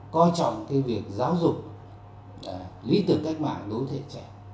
coi trọng cái việc giáo dục lý tưởng cách mạng đối thể trẻ